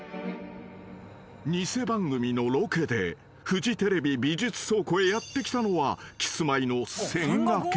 ［偽番組のロケでフジテレビ美術倉庫へやって来たのはキスマイの］